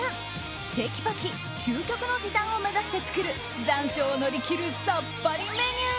テキパキ究極の時短を目指して作る残暑を乗り切るさっぱりメニュー。